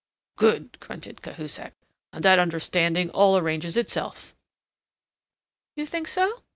"Good!" grunted Cahusac. "On that understanding all arranges itself." "You think so?"